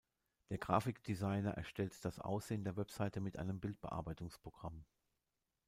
Der Grafikdesigner erstellt das Aussehen der Website mit einem Bildbearbeitungsprogramm.